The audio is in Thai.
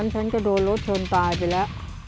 ฉันก็โดนรถชนตายไปแล้ว